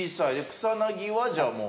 草薙はじゃあもう。